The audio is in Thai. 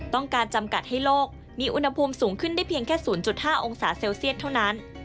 จำกัดให้โลกมีอุณหภูมิสูงขึ้นได้เพียงแค่๐๕องศาเซลเซียตเท่านั้น